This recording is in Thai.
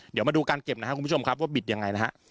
เดี๋ยวมาดูการเก็บนะครับคุณผู้ชมครับว่าบิดยังไงนะฮะ